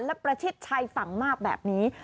และประชิดชายฝั่งมากแบบนี้